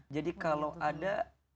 jadi kalau ada